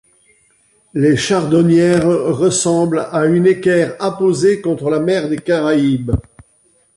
Les Chardonnières ressemble à une équerre apposée contre la Mer des Caraïbes.